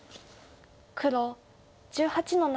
黒１８の七。